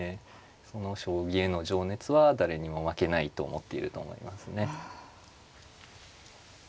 その将棋への情熱は誰にも負けないと思っていると思いますね。